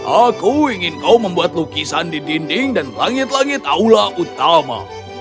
aku ingin kau membuat lukisan di dinding dan langit langit aula utama